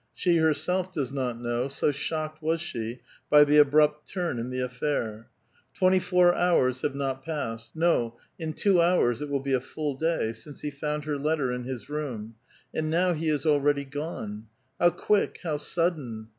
She herself does not know, so shocked was she by the abrupt turn in the affair. Twentv four hours have not passed — no, in two hours it will be a full day — since lie found her letter in his room, and now he is already gone. How quick ! how sudden